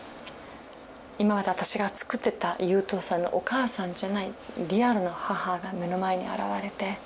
今まで私がつくってた優等生のお母さんじゃないリアルな母が目の前に現れて。